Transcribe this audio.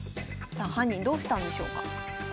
さあ犯人どうしたんでしょうか。